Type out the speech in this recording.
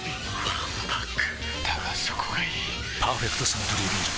わんぱくだがそこがいい「パーフェクトサントリービール糖質ゼロ」